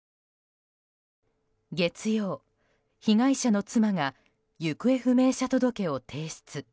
月曜、被害者の妻が行方不明者届を提出。